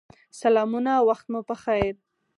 سلامونه وخت مو پخیر